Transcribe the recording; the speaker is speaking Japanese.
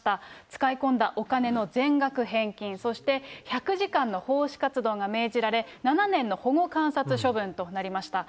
使い込んだお金の全額返金、そして１００時間の奉仕活動が命じられ、７年の保護観察処分となりました。